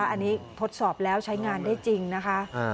อันนี้ทดสอบแล้วใช้งานได้จริงนะคะ